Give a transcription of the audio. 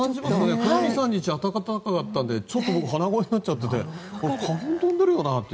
ここ２３日暖かかったのでちょっと僕鼻声になっちゃってて花粉飛んでるよなって。